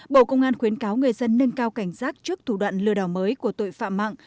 bộ công an khuyến cáo người dân nâng cao cảnh giác trước thủ đoạn lừa đảo mới của tội phạm mạng